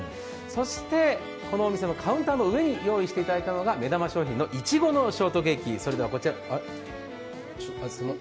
そして、このお店のカウンターの上に用意していただいたのが目玉商品のいちごのショートケーキです。